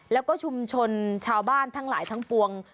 แล้วก็ชุมชนชาวบ้านทั้งหลายทั้งปวง